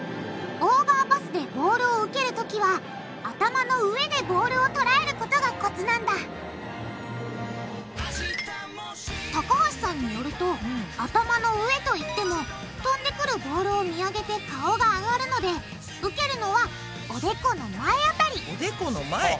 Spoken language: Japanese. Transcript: オーバーパスでボールを受けるときは頭の上でボールをとらえることがコツなんだ高橋さんによると頭の上と言っても飛んでくるボールを見上げて顔が上がるので受けるのはおでこの前辺りおでこの前！